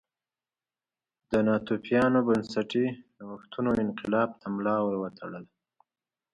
د ناتوفیانو بنسټي نوښتونو انقلاب ته ملا ور وتړله